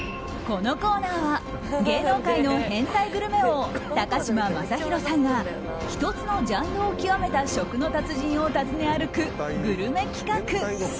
このコーナーは芸能界の変態グルメ王高嶋政宏さんが１つのジャンルを極めた食の達人を訪ね歩くグルメ企画。